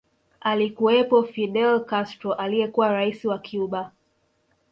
Alikuwepo Fidel Castro aliyekuwa rais wa Cuba